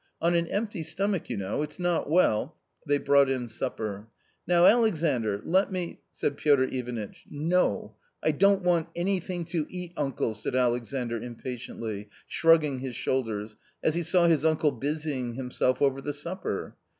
On an empty stomach, you know, it's not well " They brought in supper. " Now, Alexandr; let me " said Piotr Ivanitch. " No, I don't want anything to eat, uncle !" said Alexandr impatiently, shrugging his shoulders, as he saw his uncle busying himself over the supper.